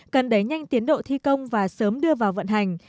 cần đẩy nhanh tiến độ thi công và sớm đưa vào vận hành